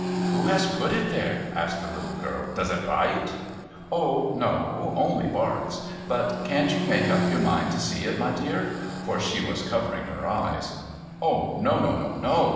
' Who has put it there ?' asked the little girl. ' Does it bite ?'' No, — only barks. But can't you make up your mind to see it, my dear ?' For she was covering her eyes. ' O no, no, no